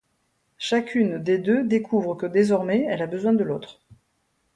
Chacune des deux découvre que désormais elle a besoin de l'autre.